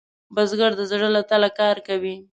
بزګر د زړۀ له تله کار کوي